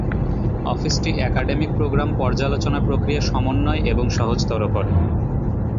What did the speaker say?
অফিসটি academic programme পর্যালোচনা প্রক্রিয়া সমন্বয় এবং সহজতর করে।